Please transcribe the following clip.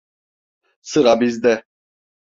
Sıra bizde.